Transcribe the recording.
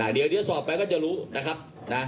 เดี๋ยวสอบไปก็จะรู้นะครับ